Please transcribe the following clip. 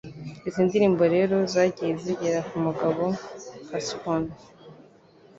Izi ndirimbo rero zagiye zigera ku mugabo Persephone